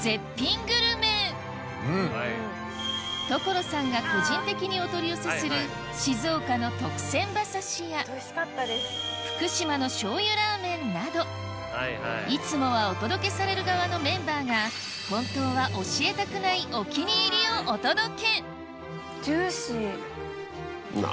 所さんが個人的にお取り寄せする静岡の特選馬さしや福島の醤油ラーメンなどいつもはお届けされる側のメンバーがをお届けジューシー。